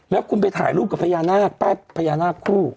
แล้วคุณไปถ่ายรูปกับพญาหน้าคู่